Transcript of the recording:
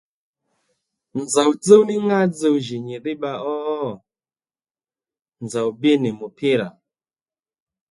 Nzòw dzúw ní ŋá dzuw jì nyìdhí bba ó nzòw bbí nì mupira